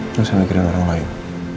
gak usah mikirin orang lain